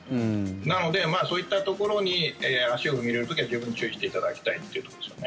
なので、そういったところに足を踏み入れる時は十分注意していただきたいっていうところですよね。